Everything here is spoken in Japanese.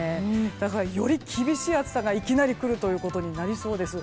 だからより厳しい暑さがいきなりきそうということになりそうです。